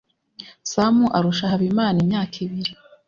sam arusha habimana imyaka ibiri